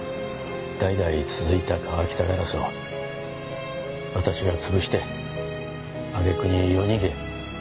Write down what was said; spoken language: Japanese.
代々続いた川喜多ガラスを私が潰して揚げ句に夜逃げ。